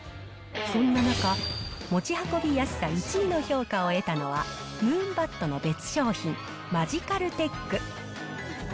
そんな中、持ち運びやすさ１位の評価を得たのはムーンバットの別商品、マジカルテック。